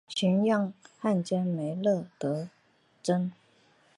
寻擢汉军梅勒额真。